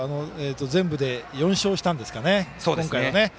全部で４勝したんですか、今回は。